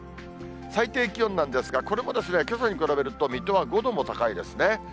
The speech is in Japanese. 最低気温なんですが、これもけさに比べると、水戸は５度も高いですね。